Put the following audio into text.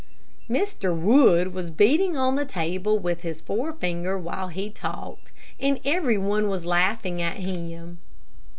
Mr. Wood was beating on the table with his forefinger while he talked, and every one was laughing at him.